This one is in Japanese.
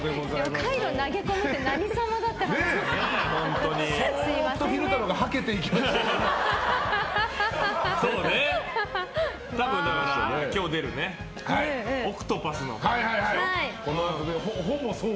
カイロ投げ込むって何様だっていう。